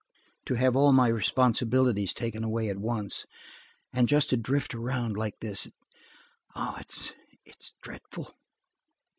To have all my responsibilities taken away at once, and just to drift around, like this–oh, it's dreadful."